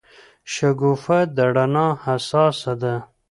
شګوفه د رڼا حساسه ده.